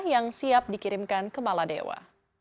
yang siap dikirimkan ke maladewa